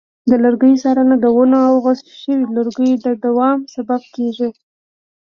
د لرګیو څارنه د ونو او غوڅ شویو لرګیو د دوام سبب کېږي.